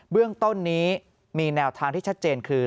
เรื่องต้นนี้มีแนวทางที่ชัดเจนคือ